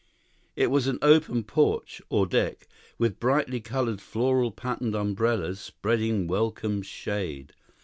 It was an open porch, or deck, with brightly colored floral patterned umbrellas spreading welcome shade.